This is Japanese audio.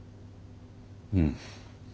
うん。